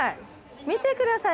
見てください